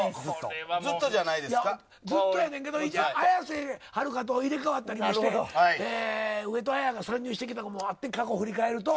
ずっとやねんけど綾瀬はるかと入れ替わったりして上戸彩が参入してきたのもあって過去を振り返ると。